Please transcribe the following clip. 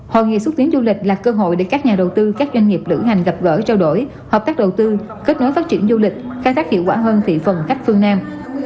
hội nghị xúc tiến du lịch là cơ hội để các nhà đầu tư các doanh nghiệp lữ hành gặp gỡ trao đổi hợp tác đầu tư kết nối phát triển du lịch khai thác hiệu quả hơn thị phần khách phương nam